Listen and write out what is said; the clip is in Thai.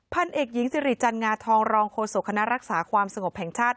พันเอกหญิงสิริจันงาทองรองโฆษกคณะรักษาความสงบแห่งชาติ